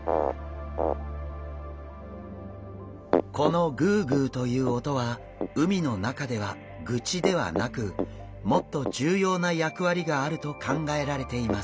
このグゥグゥという音は海の中ではグチではなくもっと重要な役割があると考えられています。